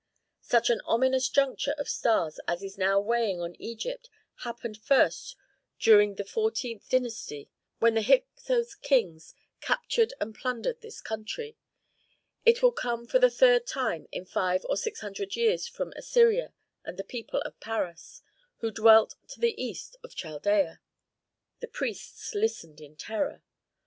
"Such an ominous juncture of stars as is now weighing on Egypt happened first during the XIV. dynasty, when the Hyksos kings captured and plundered this country. It will come for the third time in five or six hundred years from Assyria and the people of Paras, who dwell to the east of Chaldea." The priests listened in terror.